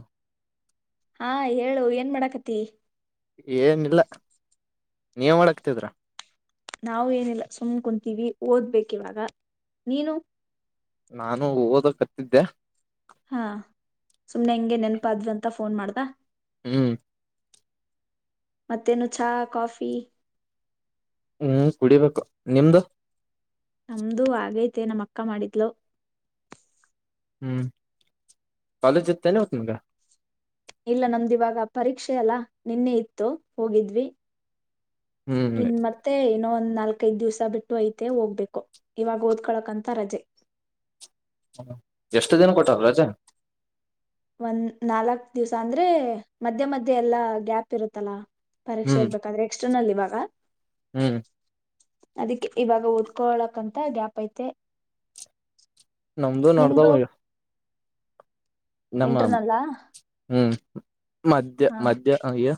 ಹ ಹಾ ಹೇಳು ಏನ್ ಮಾಡಾಕತಿ ಏನ್ ಇಲ್ಲ. ನೀವು್ ಒಳಗ್ತಿದ್ರಾ [unintelligible] ನಾವು ಏನಿಲ್ಲ ಸುಮ್ ಕುಂತೀವಿ ಒದ್ಬೇಕು ಇವಾಗ ನೀನು. ನಾನು ಓದಕತ್ತಿದ್ದೆ. ಹಾ. ಸುಮ್ನೆ ಹಂಗೆ ನೆನಪಾದ್ರಂತ ಫೋನ್ ಮಾಡ್ದ. ಹ್ಮ್. ಮತ್ತೇನು ಚಹಾ ಕಾಫಿ. ಹ್ಮ್ ಕುಡಿಬೇಕು ನಿಮ್ದು. ನಮ್ದು ಆಗೈತೆ ನಮ್ಮಕ್ಕ ಮಾಡಿದ್ಲು. ಹ್ಮ್ ಕಾಲೇಜ್ ತನೇ ಒತ್ ಮಗ. ಇಲ್ಲ ನಮ್ದಿವಾಗ ಪರೀಕ್ಷೆ ಅಲ್ಲಾ ನಿನ್ನೆ ಇತ್ತು ಹೋಗಿದ್ವಿ. ಹ್ಮ್ ಇನ್ ಮತ್ತೆ ಇನ್ನೊಂದ ನಾಲ್ಕೈದ್ ದಿವ್ಸ ಬಿಟ್ಟು ಐತೆ ಹೋಗ್ಬೇಕು ಇವಾಗ ಓದ್ಕಳಕಂತ ರಜೆ. ಎಷ್ಟು ದಿನ ಕೊಟ್ಟವರೆ ರಜಾ. ಒಂದ್ ನಾಲ್ಕ್ ದಿವ್ಸ ಅಂದ್ರೆ ಮಧ್ಯೆ ಮಧ್ಯೆ ಎಲ್ಲಾ ಗ್ಯಾಪ್ ಇರುತ್ತಲ್ಲಾ. ಪರೀಕ್ಷೆ ಹ್ಮ್ ಇರ್ಬೇಕಾದ್ರೆ ಲ್ಲಿ ಇವಾಗ ಹ್ಮ್. ಅದಕ್ಕೆ ಇವಾಗ ಓದ್ಕಳಕಂತ ಗ್ಯಾಪ್ ಐತೆ. ನಮ್ದು ನಿಮ್ದು ನೋಡತಾವಯ್ಯ ನಮ್ಮ ಹಾಂ ಇಂಟರ್ನಲ್ಲಾ ಹ್ಮ್. ಮಧ್ಯ ಹಾ ಮಧ್ಯ ಈ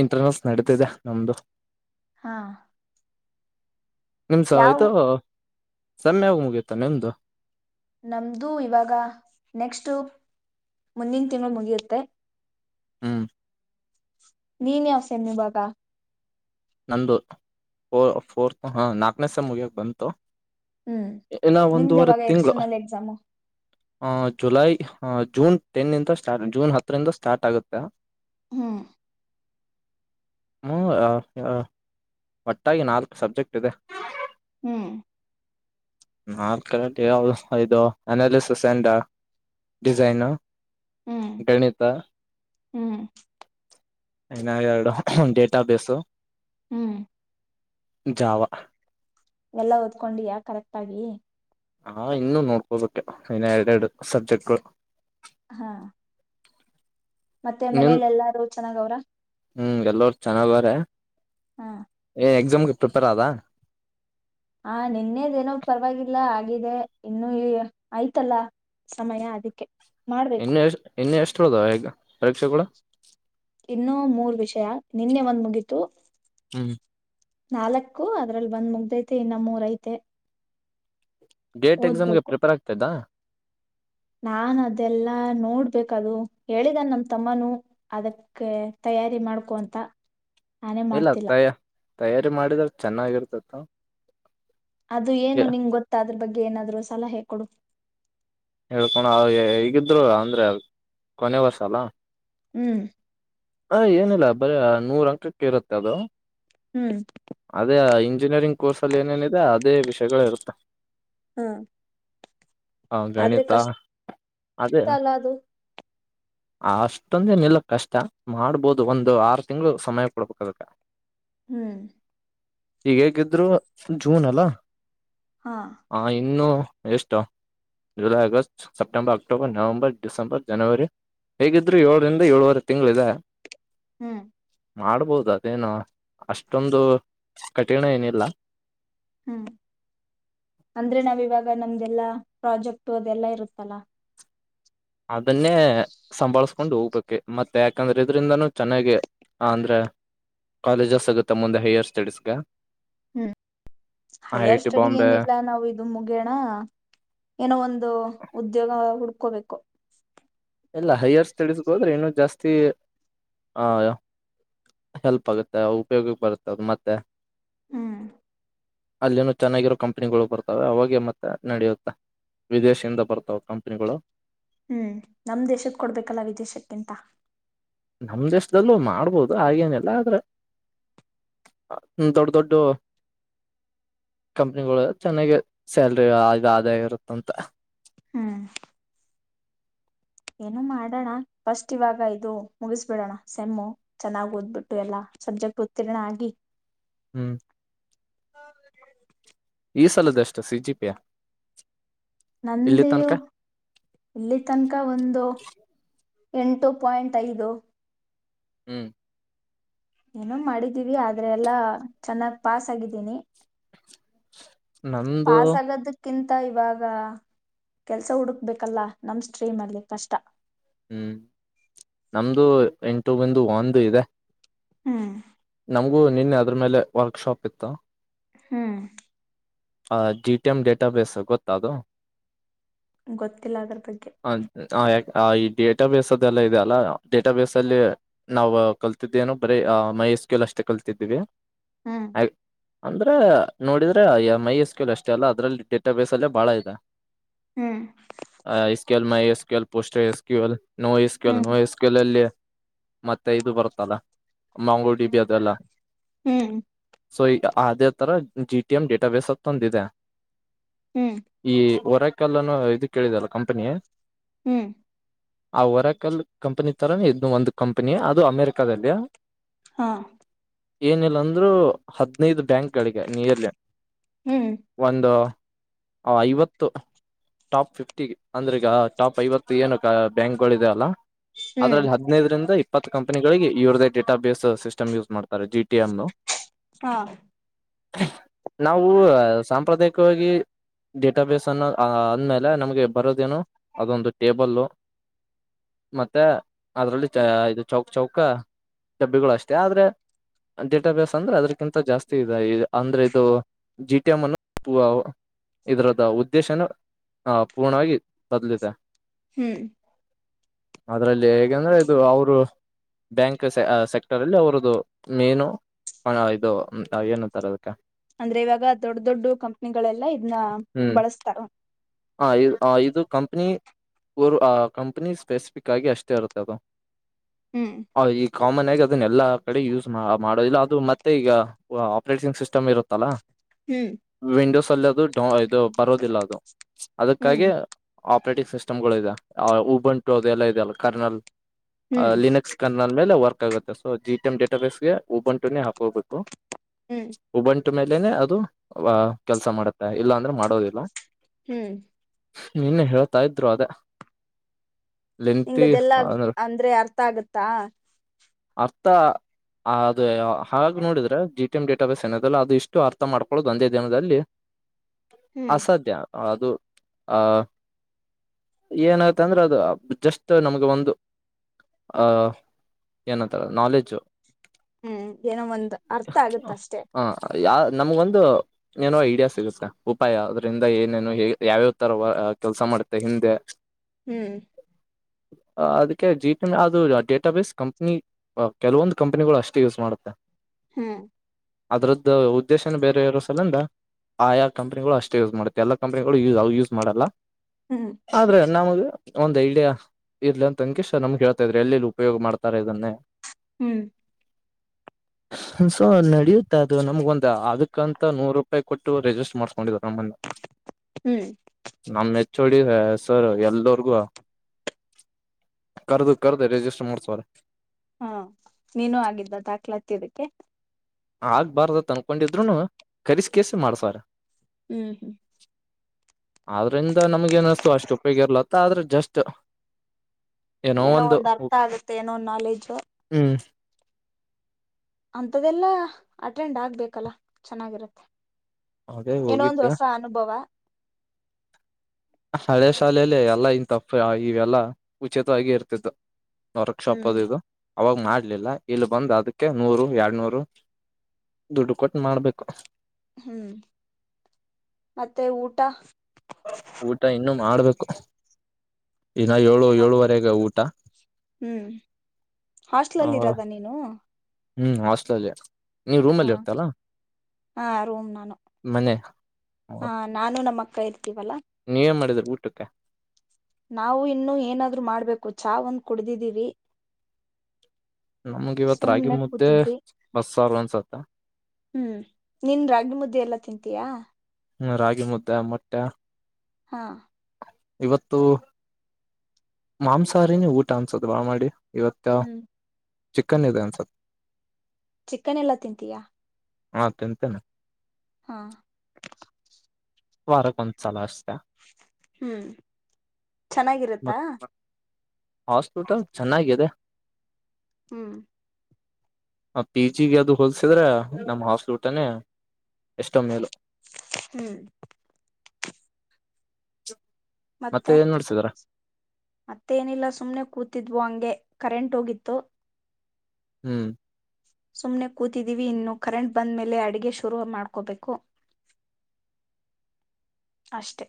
ಇಂಟರ್ನೆಲ್ಸ್ ನಡೀತಿದೆ ನಮ್ದು. ಹಾ. ನಿಮ್ಸ ಯಾವ ಐಯ್ತು. ಸೆಮ್ ಯಾವಾಗ್ ಮುಗಿಯುತ ನಿಮ್ದು? ನಮ್ದು ಇವಾಗ ನೆಕ್ಸ್ಟ್ ಮುಂದಿನ್ ತಿಂಗಳು ಮುಗಿಯುತ್ತೆ. ಹ್ಮ ನೀನ್ ಯಾವ್ ಸೆಮ್ ಇವಾಗ? ನಂದು ಹೋ ಫೋರ್ತ್ ಹ ನಾಲ್ಕನೇ ಸೆಮ್ ಮುಗಿಯೋಕ್ ಬಂತು. ಹ್ಮ್ ಇನ್ನ ನಿಮ್ದು ಯಾವಾಗ ಎಕ್ಸ್ಟರ್ನಲ್ ಎಕ್ಸಾಮು? ಆ ಜುಲೈ ಆ ಜೂನ್ ಟೆನ್ ಇಂದ ಸ್ಟಾರ್ಟ್ ಜೂನ್ ಹತ್ತರಿಂದ ಸ್ಟಾರ್ಟ್ ಆಗುತ್ತೆ. ಹ್ಮ್ ಹ್ ಯಾ ಹ ಒಟ್ಟಾಗಿ ನಾಲ್ಕು ಸಬ್ಜೆಕ್ಟ್ ಇದೆ. ಹ್ಮ್ ನಾಲ್ಕರಲ್ಲಿ ಯಾವ್ ಆ ಇದು ಅನಾಲಿಸ್ ಅಂಡ್ ಡಿಸೈನು. ಹ್ಮ್ ಗಣಿತ ಹ್ಮ್ ಇನ್ನ ಎರಡು ಒನ್ ಡೇಟಾ ಬೇಸು. ಹ್ಮ್. ಜಾವ. ಎಲ್ಲಾ ಓದ್ಕೊಂಡಿಯ ಕರೆಕ್ಟ್ ಆಗಿ ಹಾ ಇನ್ನುೂ ನೋಡ್ಬೋದಕ್ಕೆ ಇನ್ನ ಎರಡೆರಡು ಸಬ್ಜೆಕ್ಟ್ಗಳು ಹಾ ಮತ್ತೆ ನಿನ್ ಮನೇಲಿ ಎಲ್ಲಾರು ಚೆನ್ನಾಗ ಅವ್ರ ಹ್ಮ್ ಎಲ್ಲರು ಚೆನ್ನಾಗೌರೆ ಹಾ ಎಕ್ಸಾಮ್‌ಗೆ ಪ್ರಿಪೇರ್ ಆದಾ ಆ ನಿನ್ನೇದೇನೋ ಪರವಾಗಿಲ್ಲ ಆಗಿದೆ ಇನ್ನುೂ ಈ ಆಯ್ತಲ್ಲ ಸಮಯ ಅದಕ್ಕೆ ಮಾಡ್ಬೇಕು ಇನ್ನು ಎಷ್ಟ್ ಇನ್ನು ಎಷ್ಟ್ [unintelligible] ಈಗ ಪರೀಕ್ಷೆಗಳು ಇನ್ನುೂ ಮೂರ್ ವಿಷಯ ನಿನ್ನೆ ಒಂದ್ ಮುಗೀತು ಹ್ಮ್ ನಾಲ್ಕು ಅದ್ರಲ್ಲಿ ಬಂದ್ ಮುಗ್ದೈತೆ ಇನ್ನಮ್ಮೂರಐತೆ ಗೇಟ್ ಎಕ್ಸಾಮ್ಗೆ ಪ್ರಿಪೇರ್ ಆಗ್ತಾ ಇದಾ ನಾ ಅದೆಲ್ಲಾ ನೋಡ್ಬೇಕು ಹೇಳಿದನ್ ನಮ ತಮ್ಮನುೂ ಅದಕ್ಕೆ ತಯಾರಿ ಮಾಡ್ಕೊ ಅಂತ ನಾನೇ ಇಲ್ಲ ಮಾಡ್ತಿಲ್ಲ ತಯ ತಯಾರಿ ಮಾಡಿದ್ರ ಚೆನ್ನಾಗಿರ್ತತ್ತು ಅದು ಏನು ನಿಂಗ್ ಗೊತ್ತ ಅದ್ರ ಬಗ್ಗೆ ಏನಾದ್ರು ಸಲ ಹೇ ಕೊೊಡು ಹೇಳ್ಕೋಣ ಹಗಿದ್ರು ಅಂದ್ರೆ ಕೊನೆ ವಸ ಅಲ್ಲ ಹ್ಮ್ ಹ ಏನುಿಲ್ಲಾಭ ಬರ ನೂರ ಅಂಕಕ್ಕೆ ಇರುತ್ತೆ ಅದು ಹ್ಮ್ ಅದೇ ಇಂಗ ಇಂಜಿನಿಯರಿಂಗ್ ಕೋರ್ಸ ಅಲ್ಲಿ ಏನೇನಿದೆ ಅದೇ ವಿಷಯಗಳ ಇರುತ್ತೆ ಹ್ಮ ಹೌ ಗಣಿತ ಅದೇ ಅಲ್ಲ ಅದು ಅಷ್ಟೊಂದೇ ನಿಲ್ಲಕ್ ಕಷ್ಟ ಮಾಡ್ಬೋದು ಒಂದು ಆರು ತಿಂಗಳು ಸಮಯ ಕೊಡ್ಬೇಕಾದಕ್ಕ ಹ್ಮ್ ಈ ಹೇಗಿದ್ರು ಜೂನ್ ಅಲ್ಲ ಹಾ ಇನ್ನುೂ ಎಷ್ಟು July August September October November December ಜನವರಿ ಹೇಗಿದ್ರರು ಏಳರಿಂದ ಏಳುವರೆ ತಿಂಗಳಿದೆ ಹ್ಮ್ ಮಾಡ್ಬೋದು ಅದೇನು ಅಷ್ಟೊಂದು ಕಠಿಣ ಏನಿಲ್ಲ ಹ್ಮ್ ಅಂದ್ರೆ ನಾವ ಇವಾಗ ನಮ್ದಲ್ಲಾ ಪ್ರಾಜೆಕ್ಟ ಅದೆಲ್ಲಾ ಇರುತ್ತಲ್ಲ ಅದನ್ನೇ ಸಂಭಾಳ ಕಕೊಂಡ್ ಹೋಗ್ಬೇಕು ಮತ್ತೆ ಯಾಕಂದ್ರೆ ಇದ್ರಿಂದಾನೂ ಚೆನ್ನಾಗಾಗಿ ಅಂದ್ರೆ ಕಾಲೇಜಸ್ ಆಗುತ್ತ ಮುಂದೆ ಹೈಯರ್ ಸ್ಟಡೀಸ್ಗ ಹ್ಮ್ I I higher T study Bombay ಏನಿಲ್ಲ ನಾವ್ ಇದು ಮುಗೇಣ ಏನೋ ಒಂದು ಉದ್ಯೋಗ ಹುಡ್ ಕುಕೋಬೇಕು ಇಲ್ಲ ಹೈಯರ್ ಸ್ಟಡೀಸ್ಗೆ ಹೋದ್ರೆ ಇನ್ನುೂ ಜಾಸ್ತಿ ಹ ಹೆಲ್ಪ್ ಆಗುತ್ತೆ ಉಪಯೋಗಕ್ಕೆ ಬರುತ್ತೆ ಅದು ಮತ್ತೆ ಹ್ಮ್ ಅಲ್ಲಿನ ಚೆನ್ನಾಗಿರೋ ಕಂಪ್ನಿಗಳು ಬರ್ತಾವೆ ಅವಾಗೆ ಮತ್ತೆ ನಡೆಯುತ್ತೆ ವಿದೇಶಿಯಿಂದ ಬರ್ತಾವ ಕಂಪ್ನಿಗಳು ಹ್ಮ್ ನಮ್ ದೇಶದ ಕೊಡ್ಬೇಕಲ್ಲ ವಿದೇಶಕ್ಕೆಂತ ನಮ್ ದೇಶದಲ್ಲೂ ಮಾಡ್ಬೋದು ಹಾಗೇನಿಲ್ಲ ಆದ್ರೆ ದೊಡ್ಡ ದೊಡ್ಡ ಕಂಪನಿಗಳು ಚೆನ್ನಾಗ ಸ್ಯಾಲ್ರಿ ಆದ ಇರುತ್ತಂತ ಹ್ಮ್ ಏನು ಮಾಡೋಣ ಫಸ್ಟ್ ಇವಾಗ ಇದು ಮುಗಿಸ್ಬಿಡೋಣ ಸೆಮ್ಮು ಚೆನ್ನಾಗ್ ಓದ್ಬಿಟ್ಟು ಎಲ್ಲಾ ಸಬ್ಜೆಕ್ಟ್ ಉತ್ತೀರ್ಣ ಆಗಿ ಹ್ಮ್ [unintelligible] ಈ ಸಲದಷ್ಟು ಸಿಜಿ ಪಿಯ ನಂದ ಇಲ್ಲಿ ತನಕ ಒಂದು ಎಂಟು ಪಾಯಿಂಟ್ ಐದು ಹ್ಮ್ ಏನೋ ಮಾಡಿದ್ದೀವಿ ಆದ್ರೆ ಎಲ್ಲಾ ಚೆನ್ನಾಗ್ ಪಾಸ್ ಆಗಿದ್ದೀನಿ. ನಮ್ದು ಪಾಸ್ ಆಗದಕ್ಕಿಂ ತ ಇವಾಗ ಕೆಲ್ಸ ಹುಡುಕ್ಬೇಕಲ್ಲ ನಮ್ ಸ್ಟ್ರೀಮ್ ಅಲ್ಲಿ ಕಷ್ಟ. ಹ್ಮ್ ನಮ್ದು ಇಂಟರ್ವ್ಯೂ ಬಂದು ಒಂದು ಇದೆ. ಹ್ಮ್ ನಮ್ಗೂ ನಿನ್ನೆ ಅದ್ರ್ ಮೇಲೆ ವರ್ಕ್ಶಾಪ್ ಇತ್ತು. ಹ್ಮ್. ಆ ಜಿ ಟಿ ಎಂ ಡೇಟಾಬೇಸ್ ಗೊತ್ತ ಅದು? ಗೊತ್ತಿಲ್ಲ ಅದ್ರ ಬಗ್ಗೆ. ಆ ಆ ಯಾಕ್- ಆ ಈ ಡೇಟಾ ಬೇಸ್ ಅದೆಲ್ಲ ಇದೆ ಅಲ್ಲ ಡೇಟಾ ಬೇಸ್ ಅಲ್ಲಿ ನಾವು ಕಲ್ತಿದ್ದೇನು ಬರೀ ಆ ಮೈಸ್ಕೇಲ್ ಅಷ್ಟೇ ಕಲ್ತಿದ್ದೀವಿ. ಹ್ಮ್ ಅಂದ್ರೆ ನೋಡಿದ್ರೆ ಅ ಮೈ ಎಸ್ ಕೆಯಲ್ ಅಷ್ಟೇ ಅಲ್ಲ ಅದರಲ್ಲಿ ಕೇಟ ಬೇಸ್ ಅಲ್ಲೇ ಬಾಳ ಇದೆ ಹ್ಮ್ ಸ್ಕಸ್ಕ ಪ ಎಸ್ೋಸ್ಕ ನೋ ಹ್ಮ್ ಎಸ್ಕ ಎಲ್ಲಿ ಮತ್ತೆ ಇದು ಬರ್ತಲ್ಲ ಮಂಗೂಡಿ ಬಿ ಅದೆಲ್ಲ ಹ್ಮ್ ಸೊ ಈ ಅದೇ ತರ G T M database ಅ ತಂದಿದೆ ಹ್ಮ್ ಹೊರಾಕಲ್ಲನ ಇದು ಕೇಳಿದಲ್ಲ ಕಂಪನಿ ಹ್ಮ್ ಆ ವರಾಕಲ್ ಕಂಪನಿ ತರಾನ ಇದದು ಒಂದು ಕಂಪನಿ ಅದು ಅಮೆರಿಕದಲ್ಲಿಯ ಹಾ ಏನಿಲ್ಲ ಅಂದ್ರರು ಹದ್ನೈದು ಬ್ಯಾಂಕ್ ಗಳಿಗೆ ನಿಯರ್ಲಿ ಹ್ಮ್ ಒಂದು ಆ ಐವತ್ತು ಟಾಪ್ ಫಿಫ್ಟಿ ಅಂದ್ರೆ ಈಗ ಟಾಪ್ ಐವತ್ತು ಏನು ಬ್ಯಾಂಕ್ಗಳಿದೆ ಅಲ್ಲ ಹ್ಮ್ ಅದ್ರಲ್ಲಿ ಹದ್ನೈದರಿಂದ ಇಪ್ಪ ಇತ್ ಕಂಪನಿಗಳಿಗೆ ಇವ್ರದೇ ಡೇಟಾ ಬೇಸ್ ಸಿಸ್ಟ್ ಯೂಸ್ ಮಾಡಬೇಕಾರೆ ಸ ಜಿ ಟಿ ಯಂನು ಹಾ ಹ ನಾವು ಸಾಂಪ್ರದಾಯಿಕವಾಗಿ ಡೇಟಾ ಬೇಸ್ ಅನ್ನು ಅ ಆದ್ಮೇಲೆ ನಮ್ಗೆ ಬರೋದೇನೋ ಅದೊಂದು ಟೇಬಲ್ ಮತ್ತೆ ಅದ್ರಲ್ಲಿ ಚ ಇದು ಚೌಕ್ ಚೌಕ ಡಬ್ಬಿಗಳು ಅಷ್ಟೇ ಆದ್ರೆ ಡೇಟಾಬೇಸ್ ಅಂದ್ರೆ ಅದಕ್ಕಿಂತ ಜಾಸ್ತಿ ಇದೆ ಅಂದ್ರೆ ಇದು ಜಿ ಇದರದ ಉದ್ದೇಶನ ಆ ಪೂರ್ಣವಾಗಿ ಬದಲಿದೆ ಹ್ಮ್ ಅದ್ರಲ್ಲಿ ಹೇಗೆಂದ್ರೆ ಇದು ಅವರು ಬ್ಯಾಂಕ್ ಸೆಕ್ಟರ್ ಅಲ್ಲಿ ಅವ್ರದ್ದು ಮೇನು ಇದು ಏನುಂತಾರೆ ಅದಕ್ಕೆ ಅಂದ್ರೆ ಇವಾಗ ದೊಡ್ ದೊಡ್ಡ ಕಂಪನಿಗಳೆಲ್ಲಾ ಇದನ್ನ ಹ್ಮ್ ಬಳಸ್ತಾರ ಹ ಇ ಇದು ಕಂಪನಿ ಊರ್ ಆ ಕಂಪನಿ ಸ್ಪೆಸಿಫಿಕ್ ಆಗಿ ಅಷ್ಟೇ ಇರುತ್ತೆ ಅದು ಹ್ಮ್ ಈ ಕಾಮನ್ ಆಗಿ ಅದನ್ನ ಎಲ್ಲಾ ಕಡೆ ಯೂಸ್ ಮಾಡೋದಿಲ್ಲ ಅದು ಮತ್ತೆ ಈಗ ಆಪ್ರೇಟಿಂಗ್ ಸಿಸ್ಟಮ್ ಇರುತ್ತಲ್ಲಾ ಹ್ಮ್ ವಿಂಡೋಸ್ ಲ್ಲದುದು ಅದು ಬರೋದಿಲ್ಲ ಅದು ಹ್ಮ್ ಅದಕ್ಕಾಗಿ ಆಪ್ರೇಟಿಂಗ್ ಸಿಸ್ಟಮ್ಗಳು ಇದೆ ಉಬಂಟು ಅದೆಲ್ಲ ಇದೆಲ್ಲ ಕರ್ನಲ್ ಹ್ಮ್ ಲಿನಕ್ಸ್ ನನ್ ಮೇಲೆ ವರ್ಕ್ ಆಗುತ್ತೆ ಸೊ ಜಿ ಟಿ ಎಂ ಡೇಟಾ ಬೇಸ್ಗೆ ಉಬಂಟ್ ಪಿನ್ನೆ ಹಾಕೊಬೇಕು. ಹ್ಮ್ ಟು ಮೇಲೆನೆ ಅದು ವ ಕೆಲ್ಸ ಮಾಡತ್ತೆ ಇಲ್ಲ ಅಂದ್ರೆ ಮಾಡೋದಿಲ್ಲ. ಹ್ಮ್ ನಿನ್ನೆ ಹೇಳ್ತಾ ಇದ್ರು ಅದೇ ಲೆಂತಿ ನಿಂಗದೆಲ್ಲ ಅಂದ್ರ ಅಂದ್ರೆ ಅರ್ಥ ಆಗುತ್ತಾ? ಅರ್ಥ ಅ ಅದು ಹಾಗ ನೋಡಿದ್ರೆ G T M database ಏನದಲ್ಲ ಅದು ಇಷ್ಟು ಅರ್ಥ ಮಾಡ್ ಕೊಳದು ಅಂದೇ ದಿನದಲ್ಲಿ ಹ್ಮ್ ಅಸಾಧ್ಯ ಅದು ಆ ಏನಾಯ್ತ್ ಅಂದ್ರೆ ಅದು ಜಸ್ಟ್ ನಮ್ಗೆ ಒಂದು ಆಹ್ ಏನಂತಾರ ನಾಲೆಡ್ಜು ಹ್ಮ್ ಏನೋ ಒಂದ್ ಅರ್ಥ ಆಗತ್ತಷ್ಟೇ. ಯಾ ನಮಗೊನ್ ಇದು ಏನೋ ಐಡಿಯಾ ಸಿಗುತ್ತೆ ಉಪಾಯ ಅದ್ರಿಂದ ಏನೇನು ಹೆ ಯಾವ್ಯಾವ್ತರ ಕೆಲ್ಸ ಮಾಡುತ್ತೆ ಹಿಂದೆ ಹ್ಮ್ ಆ ಅದಕ್ಕೆ ಜಿ ಟಿ ನ ಅದು ಡೇಟಾ ಬೇಸ್ ಕಂಪನಿ ಆ ಕೆಲವೊಂದು ಕಂಪನಿಗಳು ಅಷ್ಟೇ ಯೂಸ್ ಮಾಡುತ್ತೆ. ಹ್ಮ್ ಅದ್ರದ್ದ ಉದ್ದೇಶನೆ ಬೇರ್ ಇರೋ ಸಲಿಂದ ಆ ಯಾ ಕಂಪನಿಗಳು ಅಷ್ಟೇ ಯೂಸ್ ಮಾಡುತ್ತೆ ಎಲ್ಲಾ ಕಂಪನಿಗಳು ಯು ಅವ್ ಯೂಸ್ ಮಾಡಲ್ಲ. ಹ್ಮ್ ಆದ್ರೆ ನಮದು ಒಂದ್ ಐಡಿಯಾ ಇರ್ಲಿ ಅಂತ ಅಂಕಿಷ್ ನಮ್ಗ್ ಹೇಳ್ತಾ ಇದ್ರಿ ಎಲ್ಲೆಲ್ಲಿ ಉಪಯೋಗ ಮಾಡ್ತಾರೆ ಇದನ್ನೇ ಹ್ಮ್ ಹನ್ ಸೊ ನಡೆಯುತ್ತೆ ಅದು ನಮ್ಗ ಒಂದು ಆಗು ಕಂತ ನೂರ್ರೂಪಾಯ್ ಕೊಟ್ಟು ರಿಜಿಸ್ಟ್ರ್ ಮಾಡ್ಸ್ [unintelligible] ಹ್ಮ್ ನಮ್ಮನ್ನ [unintelligible] ಚಡಿ ಸರ್ ಎಲ್ಲರ್ಗೂ ಕರ್ದು ಕರ್ದ ರಿಜಿಸ್ಟರ್ ಮಾಡ್ಸವ್ರೆ. ಹಾ ನೀನು ಆಗಿದ್ದ ದಾಖಲಾತ್ತಿ ಇದುಕ್ಕೆ ಆಗ್ಬಾರ್ದ ಅಂತ್ ಅನ್ಕೊಂಡಿದ್ರುನು ಕರಿಸ್ ಕೆಸಿ ಮಾಡ್ಸ್ಯಾರ. ಮ್ ಹ್ಮ್ ಆದ್ರಿಂದ ನಮ್ಗೆ ಏನಸ್ತು ಅಷ್ಟ್ ಉಪಯೋಗ ಇರ್ಲತ್ತ ಆದ್ರೆ ಜಸ್ಟ್ ಏನೋ ಒಂದ್ ಅರ್ಥ ಆಗುತ್ತೆ ಏನೋ ಒಂದ್ ನಾಲೆಜು ಹ್ಮ್ ಅಂತದೆಲ್ಲಾ ಅಟೆಂಡ್ ಆಗ್ಬೇಕಲ್ಲ ಚೆನ್ನಾಗಿರತ್ತೆ. ಅದೇ ಏನೋ ಒಂದ್ ಹೋಗಿದ್ದೆ ಹೊಸ ಅನುಭವ ಹಳೆ ಶಾಲೆಲ್ಲಿ ಎಲ್ಲಾ ಇಂತ ಪ ಇವೆಲ್ಲಾ ಉಚಿತವಾಗಿ ಇರ್ತತ್ತು ವರ್ಕ್ ಶಾಪ್ ಹ್ಮ್ ಅದಿದು ಅವಾಗ ಮಾಡ್ಲಿಲ್ಲ ಇಲ್ಲಿ ಬಂದು ಅದಕ್ಕೆ ನೂರು ಎರಡ್ನೂರು ದುಡ್ಡು ಕೊಟ್ಟು ಮಾಡ್ಬೇಕು ಹ್ಮ್ ಮತ್ತೆ ಊಟ ಊಟ ಇನ್ನು ಮಾಡ್ಬೇಕು [unintelligible] ಏಳು ಏನು ಏಳುವರೆಗೆ ಊಟ ಹ್ಮ್ ಆ ಹಾಸ್ಟೆಲಲ್ಲಿ ಇರದ ನೀನು ಹ್ಮ್ ಆಸ್ಟ್ರೇಲಿಯಾ ಹಾ ಹ ರೂಮ್ ನಾನು ಮನೆ ಹ ನಾನು ನಮ್ಮ ಕೇಳುರ್ತೀವಲ್ಲ ಏನು ಮಾಡಿದ್ರು ಊಟಕ್ಕೆ ನಾವು ಇನ್ನೂ ಏನಾದ್ರರು ಮಾಡ್ಬೇಕು ಚಹಾ ಒಂದು ಕುಡ್ದಿದ್ದೀವಿ ನಮ್ಗೆ ಇವತ್ ರಾಗಿ ಸುಮ್ನೆ ಮುದ್ದೆ ಕೂತಿದ್ವಿ ಬಸ್ಸಾರು ಅನ್ಸತ್ತ ಹ್ಮ್ ನೀನ್ ರಾಗಿ ಮುದ್ದಿ ಎಲ್ಲ ತಿಂತೀಯಾ ಹ್ಮ ರಾಗಿ ಮುದ್ದೆ ಮೊಟ್ಟೆ ಹಾ ಇವತ್ತು ಮಾಂಸಾಹಾರಿನೇ ಊಟ ಅನಿಸುತ್ತೆ ಭಾಳ ಮಾಡಿ ಇವತ್ತ ಹ್ಮ್ ಚಿಕನ್ ಇದೆ ಅನ್ಸ ಚಿಕನ್ ಎಲ್ಲಾ ತಿಂತೀಯಾ ಹಾ ತಿಂತಿನಿ ಹಾ [unintelligible] ವಾರಕ್ ಒಂದ್ ಸಲ ಅಷ್ಟೇ ಹ್ಮ್ ಚೆನ್ನಾಗಿರುತ್ತಾ ಮತ್ ಹಾಸ್ಪಿಟಲ್ ಚೆನ್ನಾಗಿದೆ ಹ್ಮ್ ಆ ಪಿಜಿಗೆ ಯಾವ್ದು ಹೊಲ್ಸಿದ್ರೆ ನಮ ಹಾಸ್ಟೆಲ್ ಊಟನೇ ಎಷ್ಟೊ ಮೇಲು ಹ್ಮ್ ಮತ್ತೆ ಏನ್ ನೋಡ್ಸಿದ್ರ ಮತ್ತೇನಿಲ್ಲ ಸುಮ್ನೆ ಕೂತಿದ್ವೋ ಹಂಗೆ ಕರೆಂಟ್ ಹೋಗಿತ್ತು ಹ್ಮ್ ಸುಮ್ನೆ ಕೂತಿದ್ದೀವಿ ಇನ್ನು ಕರೆಂಟ್ ಬಂದ್ಮೇಲೆ ಅಡುಗೆ ಶುರು ಮಾಡ್ಕೋಬೇಕು ಅಷ್ಟೆ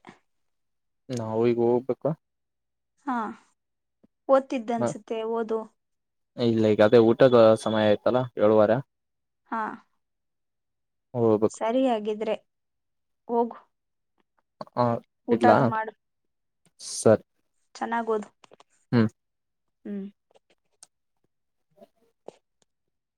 ನಾವು ಈಗ ಹೋಗ್ಬೇಕ ಹಾ ಓದ್ತಿದ್ದೆ ಅನ್ಸುತ್ತೆ ಓದು ಇಲ್ಲ ಈಗ ಅದೇ ಊಟದ ಸಮಯ ಆಯ್ತಲ್ಲ ಏಳುವರೆ ಹಾ ಹೋಗ್ಬೇಕು ಸರಿಯಾಗಿದ್ರೆ ಹೋಗು ಹ ಇಡಲ್ಲ ಊಟದು ಸತ್ ಚೆನ್ನಾಗ್ಓದು ಹ್ಮ್ ಹ್ಮ್